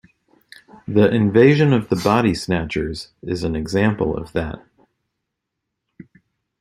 "The Invasion of the Body Snatchers" is an example of that.